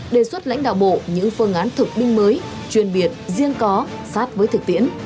đề xuất lãnh đạo bộ những phương án thực binh mới chuyên biệt riêng có sát với thực tiễn